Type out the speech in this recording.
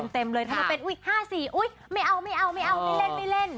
เต็มเลยถ้าเป็น๕๔ไม่เอาไม่เล่น